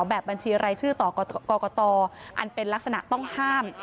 แบบบัญชีรายชื่อต่อกรกตอันเป็นลักษณะต้องห้าม